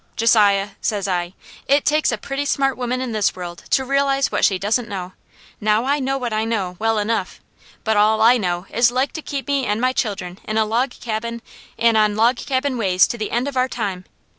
'Josiah,' says I, 'it takes a pretty smart woman in this world to realize what she doesn't know. Now I know what I know, well enough, but all I know is like to keep me an' my children in a log cabin an' on log cabin ways to the end of our time.